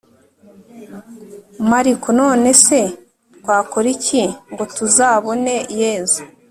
Mariko None se twakora iki ngo tuzabone yezu